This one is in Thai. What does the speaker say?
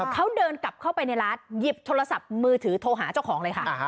เขาเดินกลับเข้าไปในร้านหยิบโทรศัพท์มือถือโทรหาเจ้าของเลยค่ะ